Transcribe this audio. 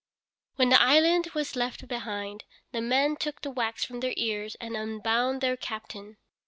When the island was left behind, the men took the wax from their ears and unbound their captain.